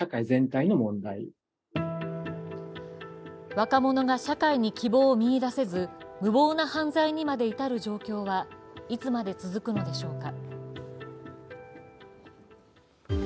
若者が社会に希望を見いだせず無謀な犯罪にまで至る状況はいつまで続くのでしょうか。